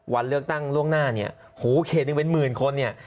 วันเลือกตั้งล่วงหน้าเนี่ยหูเขตหนึ่งเป็นหมื่นคนเนี่ย